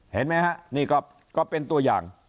เห็นไหมฮะนี่ก็เป็นตัวอย่าง